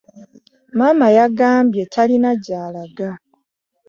Maama agambye talina gy'alaga.